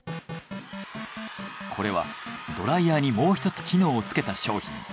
これはドライヤーにもう１つ機能をつけた商品。